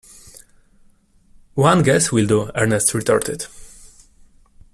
One guess will do, Ernest retorted.